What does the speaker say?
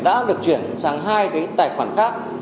đã được chuyển sang hai cái tài khoản khác